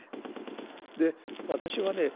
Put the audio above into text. で私はね